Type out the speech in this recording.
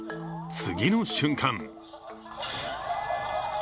次の瞬間